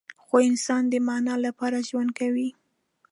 خو انسان د معنی لپاره ژوند کوي.